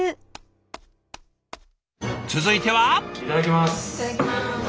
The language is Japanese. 続いては。